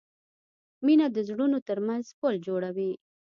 مینه د زړونو ترمنځ پُل جوړوي.